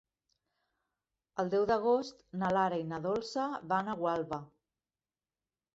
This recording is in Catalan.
El deu d'agost na Lara i na Dolça van a Gualba.